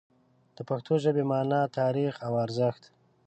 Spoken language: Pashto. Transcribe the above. د پښتو ژبې مانا، تاریخ او ارزښت